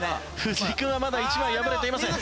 藤井君はまだ１枚破れていません。